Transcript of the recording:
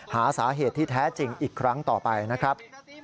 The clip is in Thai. หาสาเหตุที่แท้จริงอีกครั้งต่อไปนะครับ